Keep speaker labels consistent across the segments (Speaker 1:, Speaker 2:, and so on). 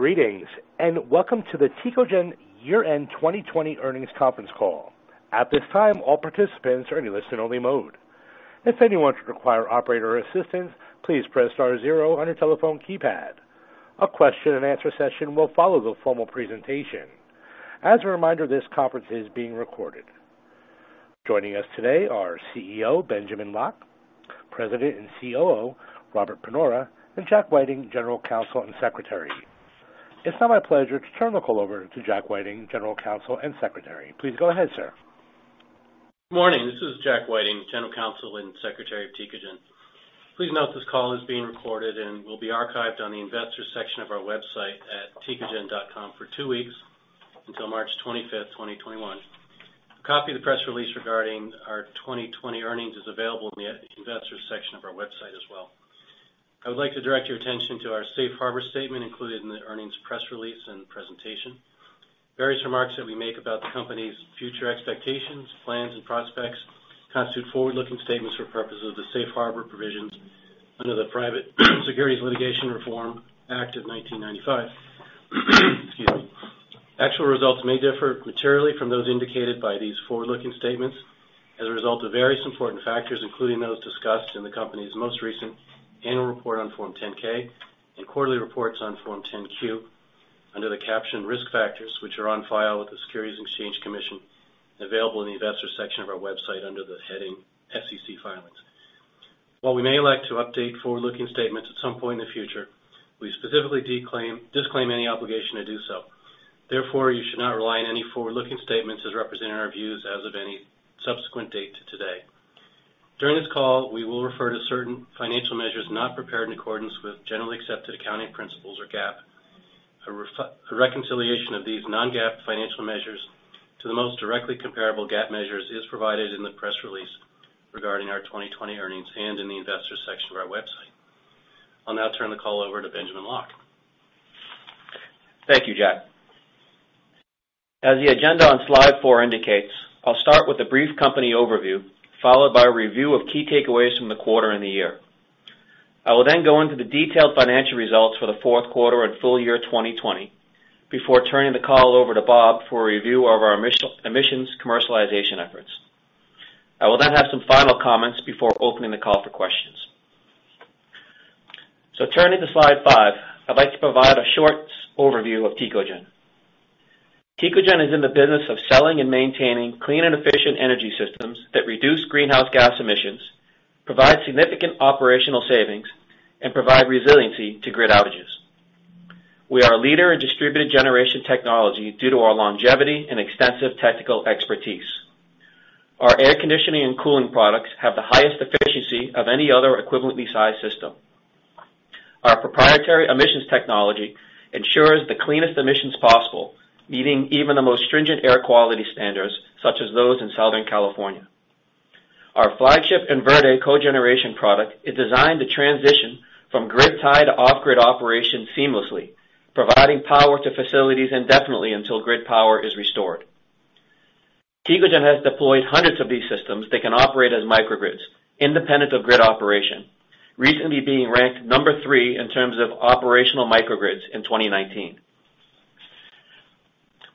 Speaker 1: Greetings, welcome to the Tecogen year-end 2020 earnings conference call. At this time, all participants are in listen-only mode. If anyone should require operator assistance, please press star zero on your telephone keypad. A question and answer session will follow the formal presentation. As a reminder, this conference is being recorded. Joining us today are CEO, Benjamin Locke, President and COO, Robert Panora, and Jack Whiting, General Counsel and Secretary. It's now my pleasure to turn the call over to Jack Whiting, General Counsel and Secretary. Please go ahead, sir.
Speaker 2: Morning. This is Jack Whiting, General Counsel and Secretary of Tecogen. Please note this call is being recorded and will be archived on the investors section of our website at tecogen.com for two weeks, until March 25th, 2021. A copy of the press release regarding our 2020 earnings is available in the investors section of our website as well. I would like to direct your attention to our safe harbor statement included in the earnings press release and presentation. Various remarks that we make about the company's future expectations, plans, and prospects constitute forward-looking statements for purposes of the safe harbor provisions under the Private Securities Litigation Reform Act of 1995. Excuse me. Actual results may differ materially from those indicated by these forward-looking statements as a result of various important factors, including those discussed in the company's most recent annual report on Form 10-K and quarterly reports on Form 10-Q, under the caption Risk Factors, which are on file with the Securities and Exchange Commission, available in the investors section of our website under the heading SEC Filings. While we may elect to update forward-looking statements at some point in the future, we specifically disclaim any obligation to do so. Therefore, you should not rely on any forward-looking statements as representing our views as of any subsequent date to today. During this call, we will refer to certain financial measures not prepared in accordance with Generally Accepted Accounting Principles, or GAAP. A reconciliation of these non-GAAP financial measures to the most directly comparable GAAP measures is provided in the press release regarding our 2020 earnings and in the investors section of our website. I'll now turn the call over to Benjamin Locke.
Speaker 3: Thank you, Jack. As the agenda on slide four indicates, I'll start with a brief company overview, followed by a review of key takeaways from the quarter and the year. I will then go into the detailed financial results for the fourth quarter and full year 2020 before turning the call over to Bob for a review of our emissions commercialization efforts. I will then have some final comments before opening the call for questions. Turning to slide five, I'd like to provide a short overview of Tecogen. Tecogen is in the business of selling and maintaining clean and efficient energy systems that reduce greenhouse gas emissions, provide significant operational savings, and provide resiliency to grid outages. We are a leader in distributed generation technology due to our longevity and extensive technical expertise. Our air conditioning and cooling products have the highest efficiency of any other equivalently sized system. Our proprietary emissions technology ensures the cleanest emissions possible, meeting even the most stringent air quality standards, such as those in Southern California. Our flagship InVerde cogeneration product is designed to transition from grid tie to off-grid operation seamlessly, providing power to facilities indefinitely until grid power is restored. Tecogen has deployed hundreds of these systems that can operate as microgrids, independent of grid operation, recently being ranked number three in terms of operational microgrids in 2019.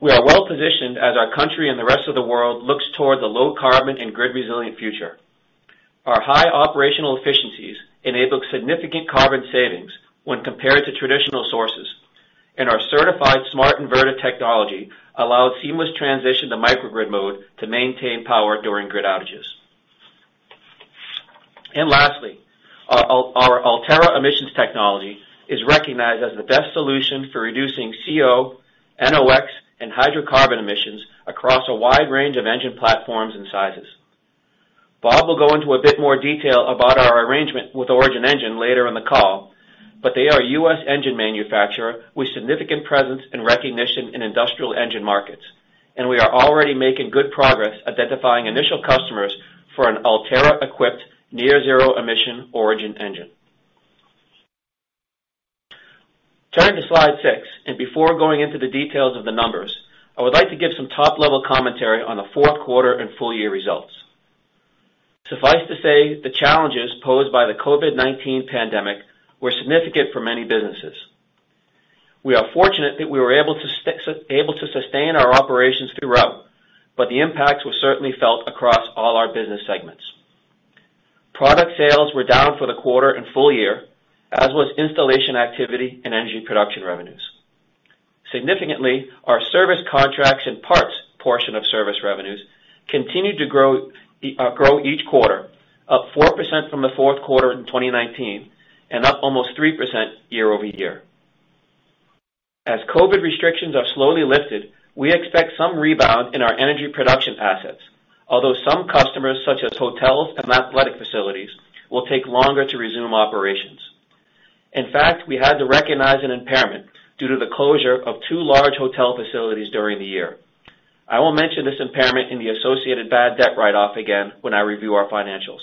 Speaker 3: We are well positioned as our country and the rest of the world looks toward the low carbon and grid resilient future. Our high operational efficiencies enable significant carbon savings when compared to traditional sources. Our certified smart inverter technology allows seamless transition to microgrid mode to maintain power during grid outages. Lastly, our Ultera emissions technology is recognized as the best solution for reducing CO, NOx, and hydrocarbon emissions across a wide range of engine platforms and sizes. Bob will go into a bit more detail about our arrangement with Origin Engine later in the call, but they are a U.S. engine manufacturer with significant presence and recognition in industrial engine markets. We are already making good progress identifying initial customers for an Ultera-equipped near zero emission Origin engine. Turning to slide six, before going into the details of the numbers, I would like to give some top-level commentary on the fourth quarter and full year results. Suffice to say, the challenges posed by the COVID-19 pandemic were significant for many businesses. The impacts were certainly felt across all our business segments. Product sales were down for the quarter and full year, as was installation activity and energy production revenues. Significantly, our service contracts and parts portion of service revenues continued to grow each quarter, up 4% from the fourth quarter in 2019. Up almost 3% year-over-year. As COVID restrictions are slowly lifted, we expect some rebound in our energy production assets, although some customers, such as hotels and athletic facilities, will take longer to resume operations. In fact, we had to recognize an impairment due to the closure of two large hotel facilities during the year. I will mention this impairment and the associated bad debt write-off again when I review our financials.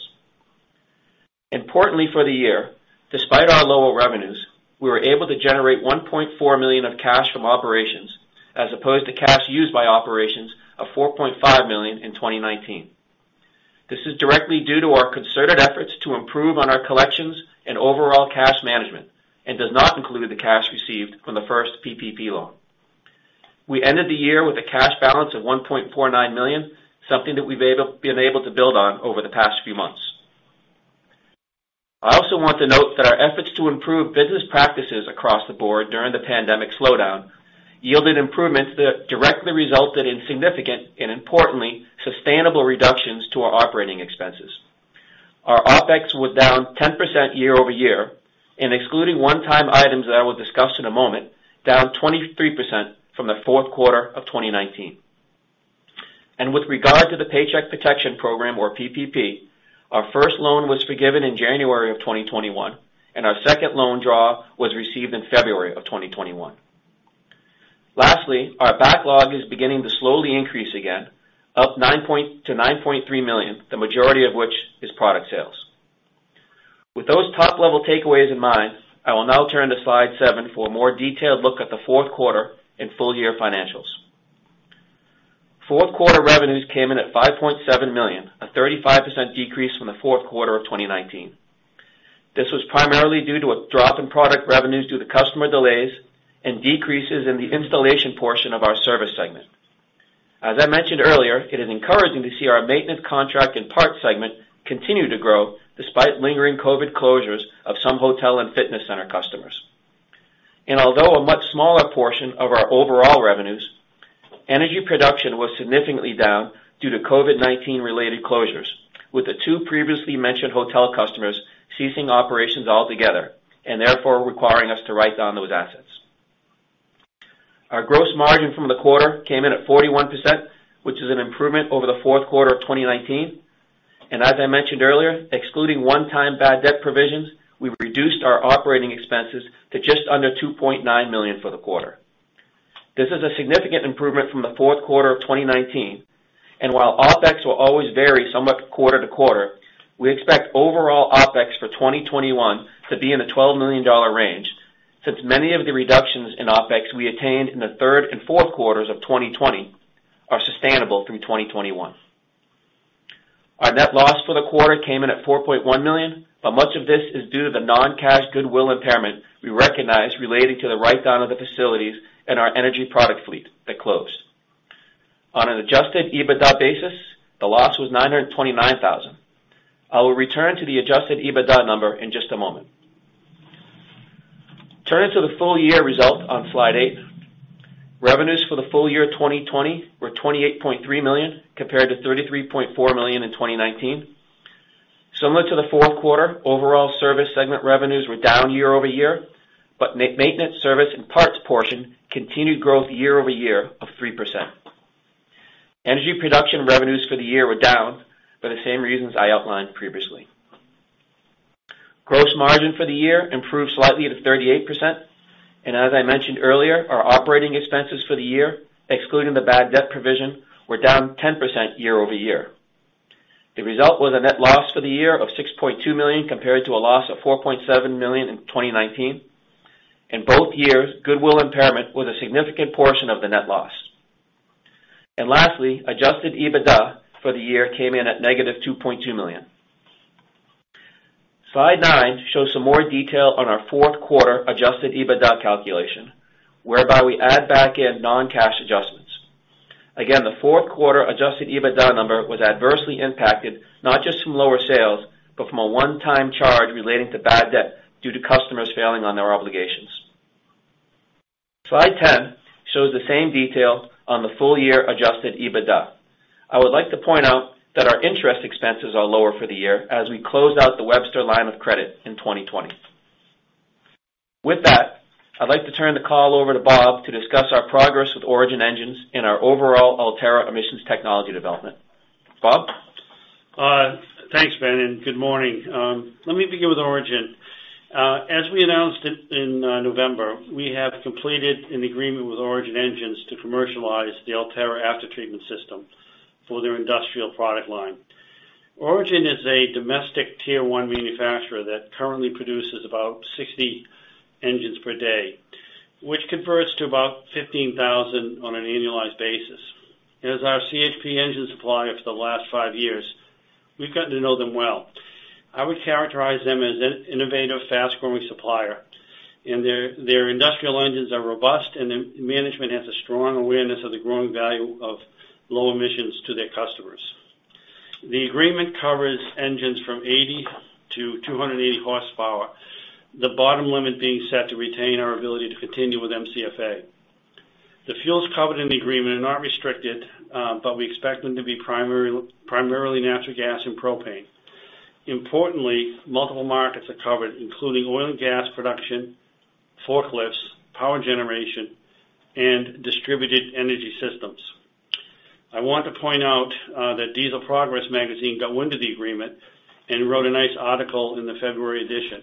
Speaker 3: Importantly for the year, despite our lower revenues, we were able to generate $1.4 million of cash from operations as opposed to cash used by operations of $4.5 million in 2019. This is directly due to our concerted efforts to improve on our collections and overall cash management, and does not include the cash received from the first PPP loan. We ended the year with a cash balance of $1.49 million, something that we've been able to build on over the past few months. I also want to note that our efforts to improve business practices across the board during the pandemic slowdown yielded improvements that directly resulted in significant, and importantly, sustainable reductions to our operating expenses. Our OPEX was down 10% year-over-year, and excluding one-time items that I will discuss in a moment, down 23% from the fourth quarter of 2019. With regard to the Paycheck Protection Program, or PPP, our first loan was forgiven in January of 2021, and our second loan draw was received in February of 2021. Lastly, our backlog is beginning to slowly increase again, up to $9.3 million, the majority of which is product sales. With those top-level takeaways in mind, I will now turn to slide seven for a more detailed look at the fourth quarter and full year financials. Fourth quarter revenues came in at $5.7 million, a 35% decrease from the fourth quarter of 2019. This was primarily due to a drop in product revenues due to customer delays and decreases in the installation portion of our service segment. As I mentioned earlier, it is encouraging to see our maintenance contract and parts segment continue to grow despite lingering COVID closures of some hotel and fitness center customers. Although a much smaller portion of our overall revenues, energy production was significantly down due to COVID-19 related closures, with the two previously mentioned hotel customers ceasing operations altogether, and therefore requiring us to write down those assets. Our gross margin from the quarter came in at 41%, which is an improvement over the fourth quarter of 2019. As I mentioned earlier, excluding one-time bad debt provisions, we've reduced our operating expenses to just under $2.9 million for the quarter. This is a significant improvement from the fourth quarter of 2019, and while OPEX will always vary somewhat quarter-to-quarter, we expect overall OPEX for 2021 to be in the $12 million range, since many of the reductions in OPEX we attained in the third and fourth quarters of 2020 are sustainable through 2021. Our net loss for the quarter came in at $4.1 million, but much of this is due to the non-cash goodwill impairment we recognized relating to the write-down of the facilities and our energy product fleet that closed. On an adjusted EBITDA basis, the loss was $929,000. I will return to the adjusted EBITDA number in just a moment. Turning to the full year results on slide eight, revenues for the full year 2020 were $28.3 million, compared to $33.4 million in 2019. Similar to the fourth quarter, overall service segment revenues were down year-over-year, but maintenance service and parts portion continued growth year-over-year of 3%. Energy production revenues for the year were down for the same reasons I outlined previously. Gross margin for the year improved slightly to 38%, and as I mentioned earlier, our operating expenses for the year, excluding the bad debt provision, were down 10% year-over-year. The result was a net loss for the year of $6.2 million, compared to a loss of $4.7 million in 2019. In both years, goodwill impairment was a significant portion of the net loss. Lastly, adjusted EBITDA for the year came in at negative $2.2 million. Slide nine shows some more detail on our fourth quarter adjusted EBITDA calculation, whereby we add back in non-cash adjustments. Again, the fourth quarter adjusted EBITDA number was adversely impacted, not just from lower sales, but from a one-time charge relating to bad debt due to customers failing on their obligations. Slide 10 shows the same detail on the full year adjusted EBITDA. I would like to point out that our interest expenses are lower for the year as we closed out the Webster line of credit in 2020. With that, I'd like to turn the call over to Bob to discuss our progress with Origin Engines and our overall Ultera emissions technology development. Bob?
Speaker 4: Thanks, Ben, good morning. Let me begin with Origin. As we announced in November, we have completed an agreement with Origin Engines to commercialize the Ultera aftertreatment system for their industrial product line. Origin is a domestic Tier 1 manufacturer that currently produces about 60 engines per day, which converts to about 15,000 on an annualized basis. As our CHP engine supplier for the last five years, we've gotten to know them well. I would characterize them as an innovative, fast-growing supplier. Their industrial engines are robust, the management has a strong awareness of the growing value of low emissions to their customers. The agreement covers engines from 80 to 280 horsepower, the bottom limit being set to retain our ability to continue with MCFA. The fuels covered in the agreement are not restricted, we expect them to be primarily natural gas and propane. Importantly, multiple markets are covered, including oil and gas production, forklifts, power generation, and distributed energy systems. I want to point out that Diesel Progress magazine got wind of the agreement and wrote a nice article in the February edition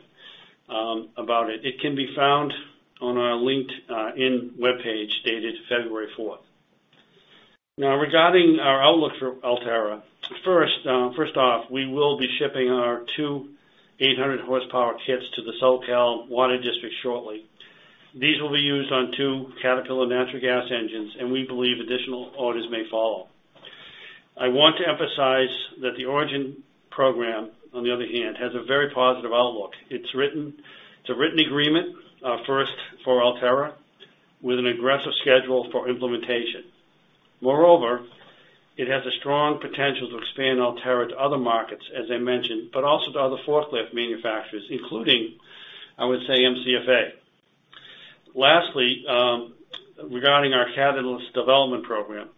Speaker 4: about it. It can be found on our LinkedIn webpage dated February 4th. Regarding our outlook for Ultera. First off, we will be shipping our two 800-horsepower kits to the SoCal Water District shortly. These will be used on two Caterpillar natural gas engines, and we believe additional orders may follow. I want to emphasize that the Origin program, on the other hand, has a very positive outlook. It's a written agreement, first for Ultera, with an aggressive schedule for implementation. Moreover, it has a strong potential to expand Ultera to other markets, as I mentioned, also to other forklift manufacturers, including, I would say, MCFA. Lastly, regarding our catalyst development program,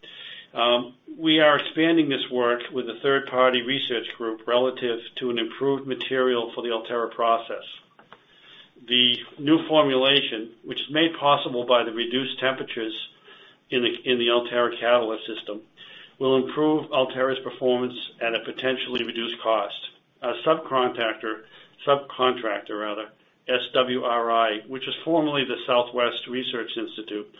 Speaker 4: we are expanding this work with a third-party research group relative to an improved material for the Ultera process. The new formulation, which is made possible by the reduced temperatures in the Ultera catalyst system, will improve Ultera's performance at a potentially reduced cost. A subcontractor, SwRI, which is formerly the Southwest Research Institute,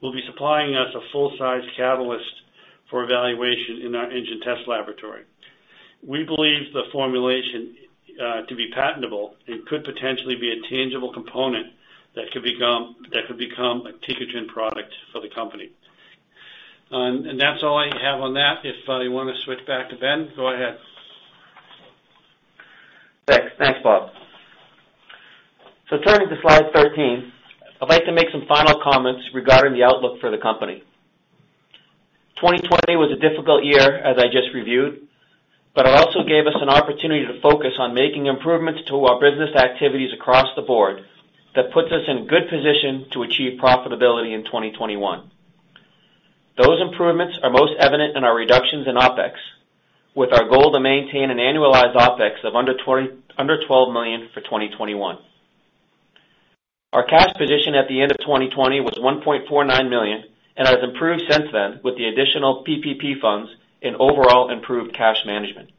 Speaker 4: will be supplying us a full-size catalyst for evaluation in our engine test laboratory. We believe the formulation to be patentable and could potentially be a tangible component that could become a Tecogen product for the company. That's all I have on that. If you want to switch back to Ben, go ahead.
Speaker 3: Thanks, Bob. Turning to slide 13, I'd like to make some final comments regarding the outlook for the company. 2020 was a difficult year, as I just reviewed, but it also gave us an opportunity to focus on making improvements to our business activities across the board that puts us in good position to achieve profitability in 2021. Those improvements are most evident in our reductions in OpEx, with our goal to maintain an annualized OpEx of under $12 million for 2021. Our cash position at the end of 2020 was $1.49 million and has improved since then with the additional PPP funds and overall improved cash management.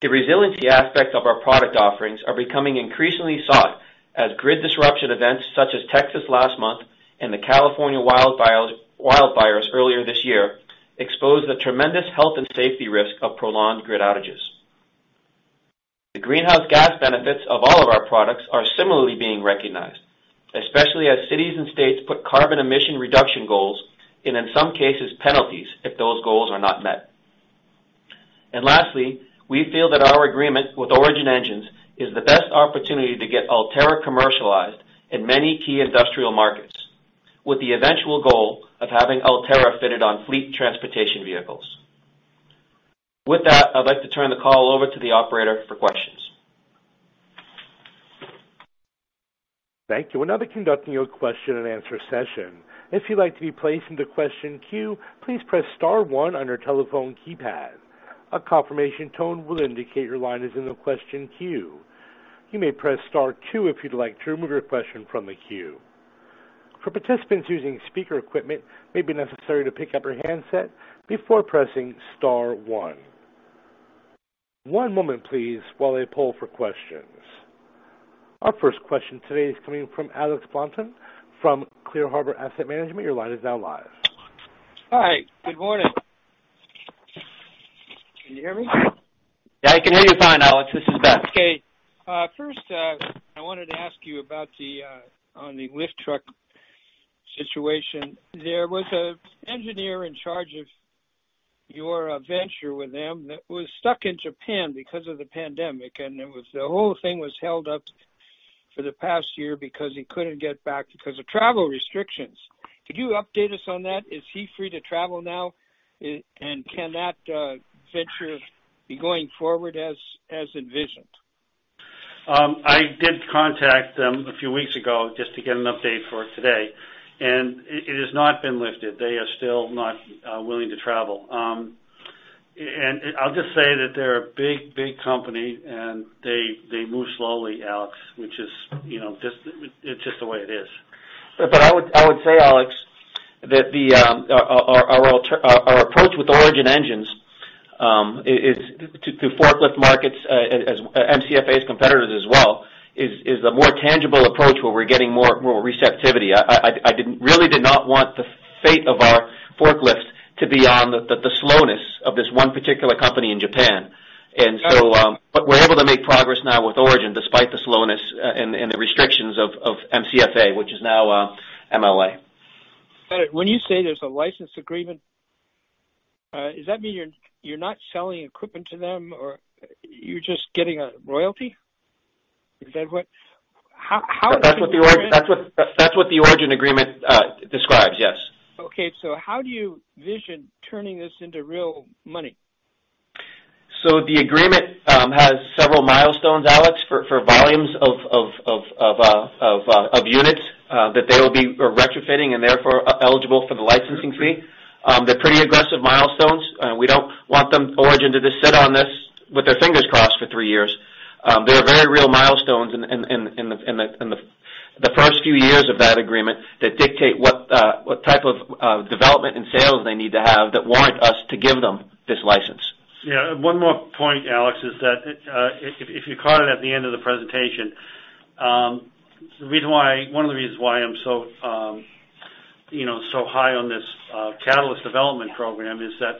Speaker 3: The resiliency aspect of our product offerings are becoming increasingly sought as grid disruption events, such as Texas last month and the California wildfires earlier this year, exposed the tremendous health and safety risk of prolonged grid outages. The greenhouse gas benefits of all of our products are similarly being recognized, especially as cities and states put carbon emission reduction goals in, and in some cases, penalties if those goals are not met. Lastly, we feel that our agreement with Origin Engines is the best opportunity to get Ultera commercialized in many key industrial markets, with the eventual goal of having Ultera fitted on fleet transportation vehicles. With that, I'd like to turn the call over to the operator for questions.
Speaker 1: Thank you. We're now conducting your question and answer session. If you'd like to be placed into question queue, please press star one on your telephone keypad. A confirmation tone will indicate your line is in the question queue. You may press star two if you'd like to remove your question from the queue. For participants using speaker equipment, it may be necessary to pick up your handset before pressing star one. One moment please, while I pull for questions. Our first question today is coming from Alex Blanton from Clear Harbor Asset Management. Your line is now live.
Speaker 5: Hi. Good morning. Can you hear me?
Speaker 3: Yeah, I can hear you fine, Alex. This is Ben.
Speaker 5: Okay. First, I wanted to ask you about the lift truck situation. There was an engineer in charge of your venture with them that was stuck in Japan because of the pandemic, and the whole thing was held up for the past year because he couldn't get back because of travel restrictions. Could you update us on that? Is he free to travel now? Can that venture be going forward as envisioned?
Speaker 4: I did contact them a few weeks ago just to get an update for today. It has not been lifted. They are still not willing to travel. I'll just say that they're a big company, and they move slowly, Alex, which is just the way it is.
Speaker 3: I would say, Alex, that our approach with Origin Engines to forklift markets, as MCFA's competitors as well, is the more tangible approach where we're getting more receptivity. I really did not want the fate of our forklift to be on the slowness of this one particular company in Japan. We're able to make progress now with Origin, despite the slowness and the restrictions of MCFA, which is now MLA.
Speaker 5: When you say there's a license agreement, does that mean you're not selling equipment to them, or you're just getting a royalty? Is that what? How?
Speaker 3: That's what the Origin agreement describes, yes.
Speaker 5: How do you vision turning this into real money?
Speaker 3: The agreement has several milestones, Alex, for volumes of units that they will be retrofitting and therefore are eligible for the licensing fee. They are pretty aggressive milestones. We don't want Origin to just sit on this with their fingers crossed for three years. They are very real milestones in the first few years of that agreement that dictate what type of development and sales they need to have that warrant us to give them this license.
Speaker 4: One more point, Alex, is that if you caught it at the end of the presentation, one of the reasons why I'm so high on this catalyst development program is that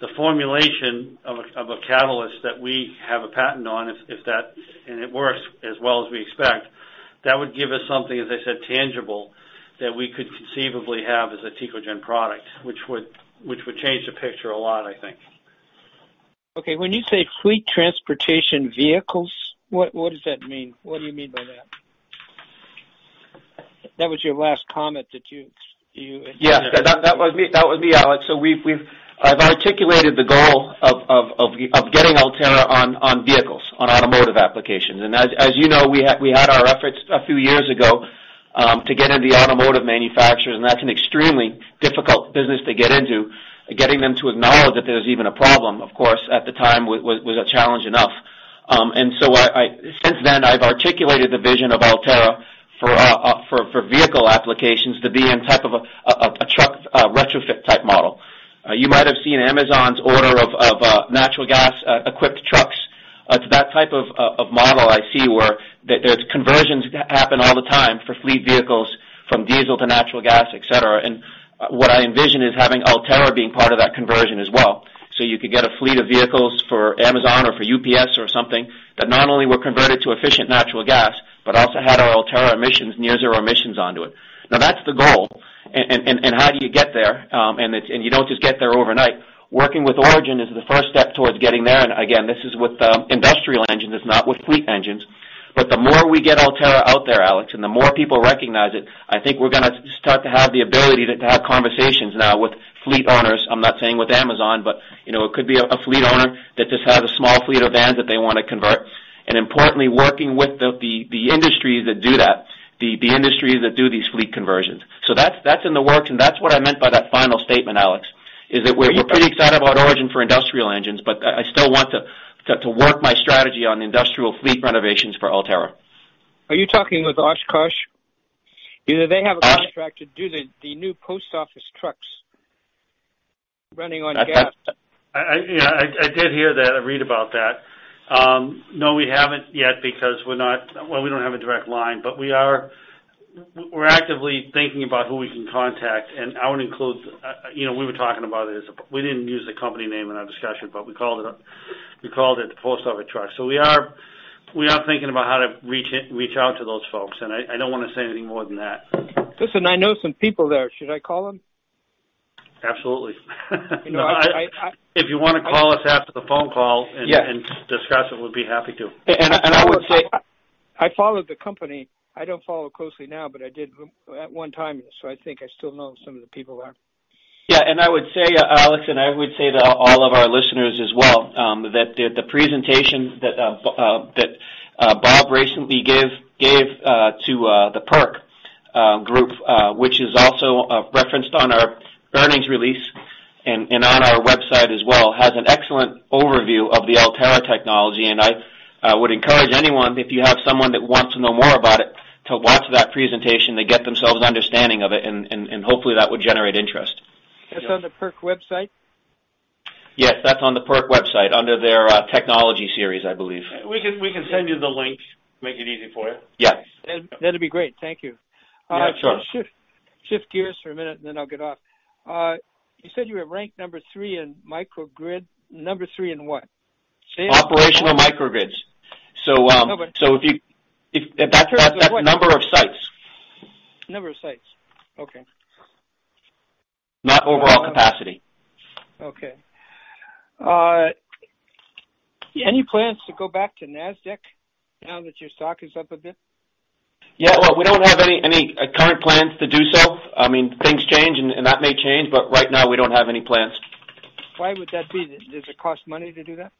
Speaker 4: the formulation of a catalyst that we have a patent on, if that, and it works as well as we expect, that would give us something, as I said, tangible that we could conceivably have as a Tecogen product, which would change the picture a lot, I think.
Speaker 5: When you say fleet transportation vehicles, what does that mean? What do you mean by that? That was your last comment that you.
Speaker 3: Yes, that was me, Alex. I've articulated the goal of getting Ultera on vehicles, on automotive applications. As you know, we had our efforts a few years ago, to get into the automotive manufacturers, and that's an extremely difficult business to get into. Getting them to acknowledge that there's even a problem, of course, at the time was a challenge enough. Since then, I've articulated the vision of Ultera for vehicle applications to be in type of a truck retrofit type model. You might have seen Amazon's order of natural gas-equipped trucks. It's that type of model I see where there's conversions happen all the time for fleet vehicles from diesel to natural gas, et cetera. What I envision is having Ultera being part of that conversion as well. You could get a fleet of vehicles for Amazon or for UPS or something that not only were converted to efficient natural gas, but also had our Ultera emissions, near zero emissions onto it. That's the goal. How do you get there? You don't just get there overnight. Working with Origin is the first step towards getting there. Again, this is with industrial engines, not with fleet engines. The more we get Ultera out there, Alex, and the more people recognize it, I think we're going to start to have the ability to have conversations now with fleet owners. I'm not saying with Amazon, but it could be a fleet owner that just has a small fleet of vans that they want to convert. Importantly, working with the industries that do that, the industries that do these fleet conversions. That's in the works, that's what I meant by that final statement, Alex, is that we're pretty excited about Origin for industrial engines, I still want to work my strategy on industrial fleet renovations for Ultera.
Speaker 5: Are you talking with Oshkosh? Because they have a contract to do the new post office trucks running on gas.
Speaker 4: I did hear that. I read about that. No, we haven't yet because we don't have a direct line, we're actively thinking about who we can contact, that would include We were talking about it as, we didn't use the company name in our discussion, we called it the post office truck. We are thinking about how to reach out to those folks, I don't want to say anything more than that.
Speaker 5: Listen, I know some people there. Should I call them?
Speaker 4: Absolutely. If you want to call us after the phone call.
Speaker 5: Yeah
Speaker 4: Discuss it, we'd be happy to.
Speaker 3: I would say.
Speaker 5: I followed the company. I don't follow closely now, but I did at one time. I think I still know some of the people there.
Speaker 3: Yeah. I would say, Alex, I would say to all of our listeners as well, that the presentation that Robert recently gave to the PERC group, which is also referenced on our earnings release and on our website as well, has an excellent overview of the Ultera technology. I would encourage anyone, if you have someone that wants to know more about it to watch that presentation to get themselves understanding of it, and hopefully, that would generate interest.
Speaker 5: That's on the PERC website?
Speaker 3: Yes, that's on the PERC website under their technology series, I believe.
Speaker 4: We can send you the links, make it easy for you.
Speaker 3: Yes.
Speaker 5: That'd be great. Thank you.
Speaker 3: Yeah, sure.
Speaker 5: Shift gears for a minute, and then I'll get off. You said you were ranked number 3 in microgrid. Number 3 in what?
Speaker 3: Operational microgrids.
Speaker 5: Okay.
Speaker 3: That's number of sites.
Speaker 5: Number of sites. Okay.
Speaker 3: Not overall capacity.
Speaker 5: Okay. Any plans to go back to Nasdaq now that your stock is up a bit?
Speaker 3: Yeah. Well, we don't have any current plans to do so. Things change, and that may change, but right now, we don't have any plans.
Speaker 5: Why would that be? Does it cost money to do that?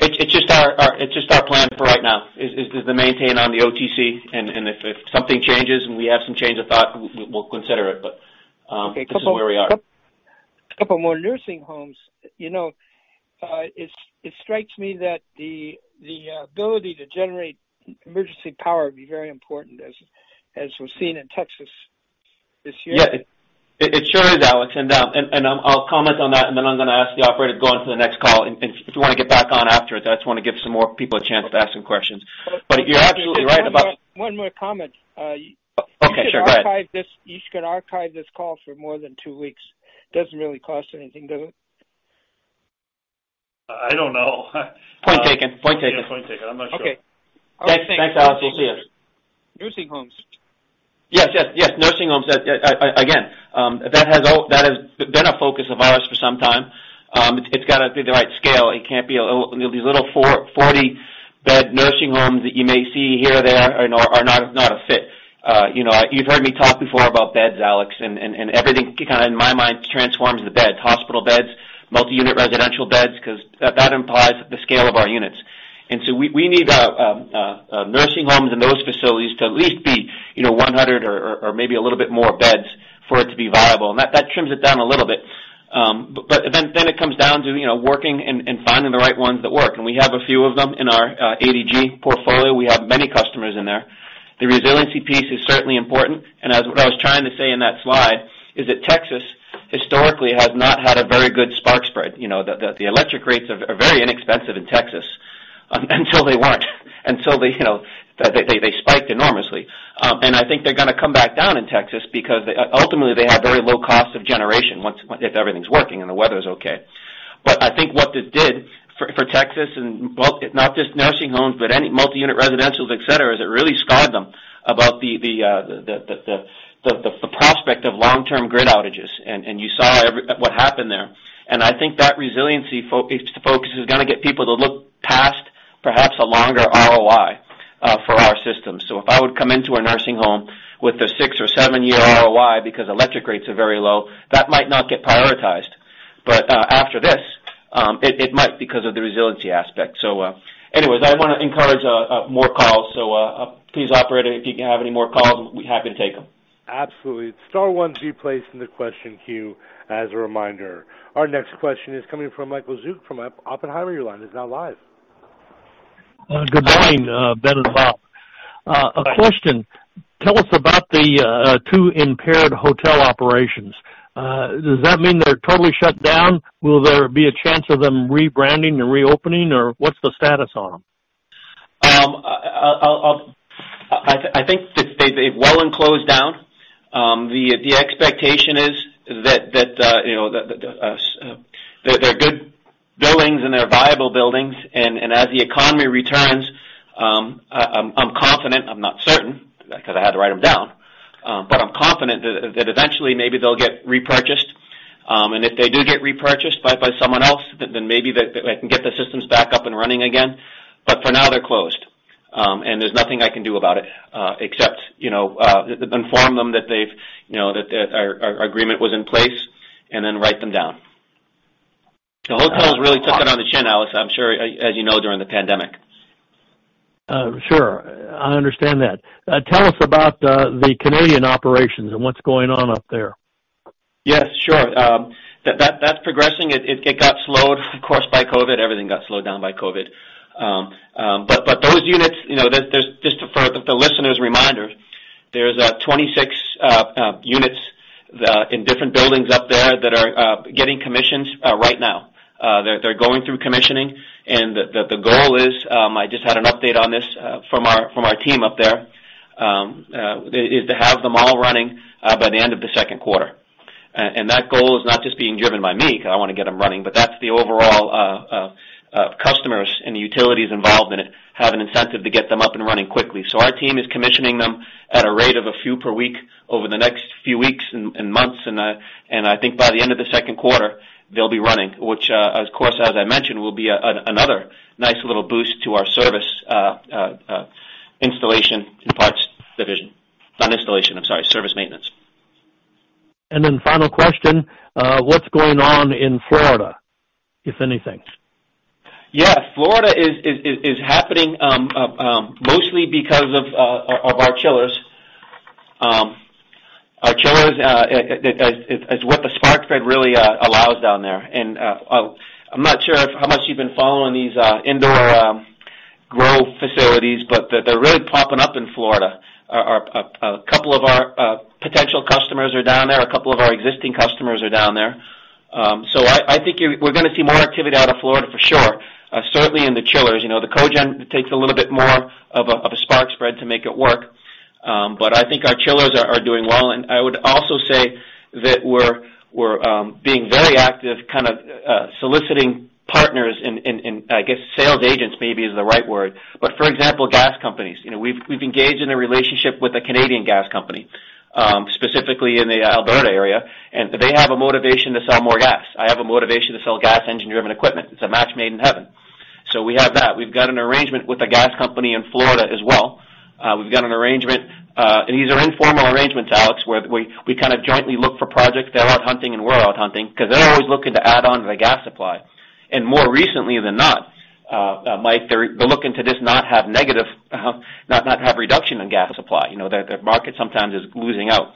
Speaker 3: It's just our plan for right now is to maintain on the OTC, and if something changes and we have some change of thought, we'll consider it, but this is where we are.
Speaker 5: A couple more nursing homes. It strikes me that the ability to generate emergency power would be very important as was seen in Texas this year.
Speaker 3: Yeah. It sure is, Alex. I'll comment on that, and then I'm gonna ask the operator to go on to the next call. If you want to get back on after it, I just want to give some more people a chance to ask some questions. You're absolutely right about-
Speaker 5: One more comment.
Speaker 3: Okay, sure. Go ahead.
Speaker 5: You should archive this call for more than two weeks. Doesn't really cost anything, does it?
Speaker 4: I don't know.
Speaker 3: Point taken.
Speaker 4: Yeah, point taken. I'm not sure.
Speaker 3: Okay. Thanks, Alex. We'll see you.
Speaker 5: Nursing homes.
Speaker 3: Yes. Nursing homes. Again, that has been a focus of ours for some time. It's got to be the right scale. These little 40-bed nursing homes that you may see here or there are not a fit. You've heard me talk before about beds, Alex, everything kind of, in my mind, transforms the beds, hospital beds, multi-unit residential beds, because that implies the scale of our units. We need nursing homes and those facilities to at least be 100 or maybe a little bit more beds for it to be viable, that trims it down a little bit. It comes down to working and finding the right ones that work, and we have a few of them in our ADG portfolio. We have many customers in there. The resiliency piece is certainly important, as what I was trying to say in that slide is that Texas historically has not had a very good spark spread. The electric rates are very inexpensive in Texas Until they weren't. Until they spiked enormously. I think they're going to come back down in Texas because ultimately they have very low cost of generation if everything's working and the weather is okay. I think what this did for Texas, not just nursing homes, but any multi-unit residentials, et cetera, is it really scarred them about the prospect of long-term grid outages. You saw what happened there. I think that resiliency focus is going to get people to look past perhaps a longer ROI for our system. If I would come into a nursing home with a six or seven-year ROI because electric rates are very low, that might not get prioritized. After this, it might because of the resiliency aspect. Anyways, I want to encourage more calls. Please, operator, if you have any more calls, we're happy to take them.
Speaker 1: Absolutely. Star one to be placed in the question queue as a reminder. Our next question is coming from Michael Zuch from Oppenheimer line. He's now live.
Speaker 6: Good morning, Ben and Bob.
Speaker 3: Hi.
Speaker 6: A question. Tell us about the two impaired hotel operations. Does that mean they're totally shut down? Will there be a chance of them rebranding and reopening, or what's the status on them?
Speaker 3: I think they've well and closed down. The expectation is that they're good buildings and they're viable buildings, as the economy returns, I'm confident, I'm not certain, because I had to write them down, but I'm confident that eventually maybe they'll get repurchased. If they do get repurchased by someone else, then maybe they can get the systems back up and running again. For now, they're closed. There's nothing I can do about it except inform them that our agreement was in place and then write them down. The hotels really took it on the chin, Alex, I'm sure as you know, during the pandemic.
Speaker 6: Sure. I understand that. Tell us about the Canadian operations and what's going on up there.
Speaker 3: Yes, sure. That's progressing. It got slowed, of course, by COVID. Everything got slowed down by COVID. Those units, just for the listeners' reminder, there's 26 units in different buildings up there that are getting commissions right now. They're going through commissioning and the goal is, I just had an update on this from our team up there, is to have them all running by the end of the second quarter. That goal is not just being driven by me, because I want to get them running, but that's the overall customers and the utilities involved in it have an incentive to get them up and running quickly. Our team is commissioning them at a rate of a few per week over the next few weeks and months. I think by the end of the second quarter, they'll be running, which of course, as I mentioned, will be another nice little boost to our service installation and parts division. Not installation, I'm sorry, service maintenance.
Speaker 6: Final question, what's going on in Florida, if anything?
Speaker 3: Yeah. Florida is happening mostly because of our chillers. Our chillers, it's what the spark spread really allows down there. I'm not sure how much you've been following these indoor grow facilities, but they're really popping up in Florida. A couple of our potential customers are down there, a couple of our existing customers are down there. I think we're going to see more activity out of Florida for sure. Certainly in the chillers. The cogen takes a little bit more of a spark spread to make it work. I think our chillers are doing well. I would also say that we're being very active, kind of soliciting partners and I guess sales agents maybe is the right word. For example, gas companies. We've engaged in a relationship with a Canadian gas company, specifically in the Alberta area, they have a motivation to sell more gas. I have a motivation to sell gas engine-driven equipment. It's a match made in heaven. We have that. We've got an arrangement with a gas company in Florida as well. We've got an arrangement, and these are informal arrangements, Alex, where we kind of jointly look for projects. They're out hunting and we're out hunting because they're always looking to add on to the gas supply. More recently than not, Michael, they're looking to just not have reduction in gas supply. Their market sometimes is losing out.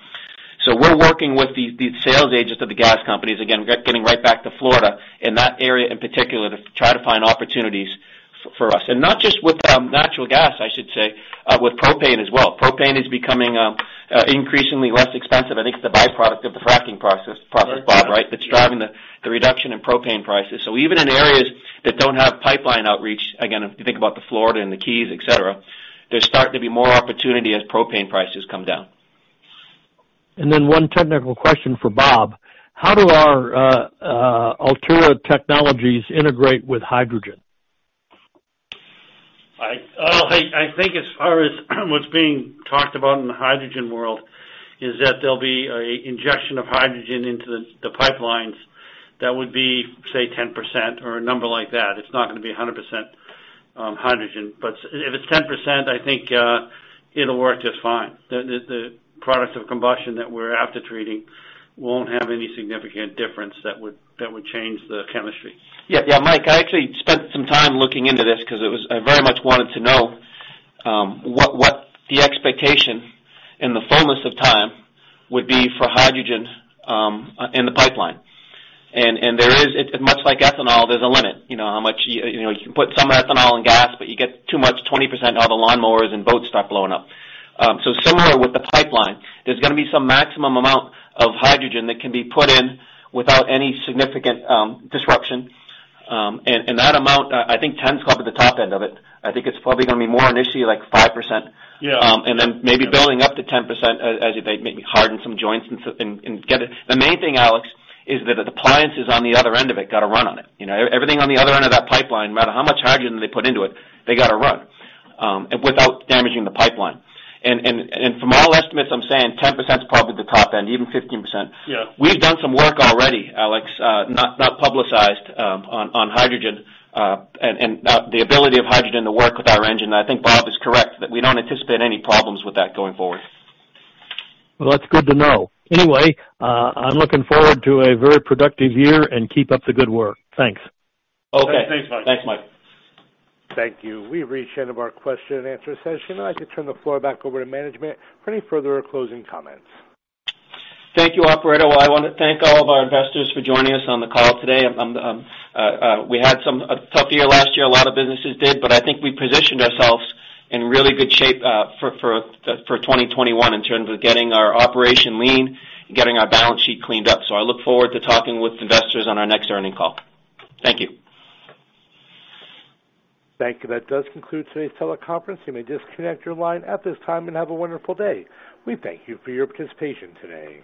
Speaker 3: We're working with these sales agents of the gas companies, again, getting right back to Florida and that area in particular, to try to find opportunities for us. Not just with natural gas, I should say, with propane as well. Propane is becoming increasingly less expensive. I think it's the byproduct of the fracking process, Robert, right? That's driving the reduction in propane prices. Even in areas that don't have pipeline outreach, again, if you think about the Florida and the Keys, et cetera, there's starting to be more opportunity as propane prices come down.
Speaker 6: One technical question for Bob. How do our Ultera technologies integrate with hydrogen?
Speaker 4: I think as far as what's being talked about in the hydrogen world is that there'll be a injection of hydrogen into the pipelines that would be, say, 10% or a number like that. It's not going to be 100% hydrogen. If it's 10%, I think it'll work just fine. The products of combustion that we're aftertreatment won't have any significant difference that would change the chemistry.
Speaker 3: Yeah. Mike, I actually spent some time looking into this because I very much wanted to know what the expectation in the fullness of time would be for hydrogen in the pipeline. There is, much like ethanol, there's a limit. You can put some ethanol in gas, but you get too much, 20%, now the lawnmowers and boats start blowing up. Similar with the pipeline, there's going to be some maximum amount of hydrogen that can be put in without any significant disruption. That amount, I think 10 is probably the top end of it. I think it's probably going to be more initially like 5%.
Speaker 4: Yeah.
Speaker 3: Maybe building up to 10% as they maybe harden some joints. The main thing, Alex, is that the appliances on the other end of it got to run on it. Everything on the other end of that pipeline, no matter how much hydrogen they put into it, they got to run, and without damaging the pipeline. From all estimates, I'm saying 10% is probably the top end, even 15%.
Speaker 4: Yeah.
Speaker 3: We've done some work already, Alex, not publicized, on hydrogen, and the ability of hydrogen to work with our engine. I think Bob is correct that we don't anticipate any problems with that going forward.
Speaker 6: Well, that's good to know. Anyway, I'm looking forward to a very productive year, and keep up the good work. Thanks.
Speaker 3: Okay.
Speaker 4: Thanks, Mike.
Speaker 3: Thanks, Mike.
Speaker 1: Thank you. We've reached the end of our question and answer session. I'd like to turn the floor back over to management for any further closing comments.
Speaker 3: Thank you, operator. Well, I want to thank all of our investors for joining us on the call today. We had a tough year last year, a lot of businesses did. I think we positioned ourselves in really good shape for 2021 in terms of getting our operation lean and getting our balance sheet cleaned up. I look forward to talking with investors on our next earning call. Thank you.
Speaker 1: Thank you. That does conclude today's teleconference. You may disconnect your line at this time, and have a wonderful day. We thank you for your participation today.